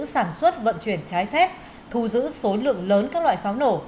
sản xuất vận chuyển trái phép thu giữ số lượng lớn các loại pháo nổ